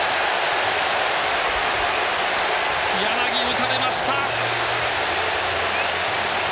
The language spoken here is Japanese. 柳、打たれました！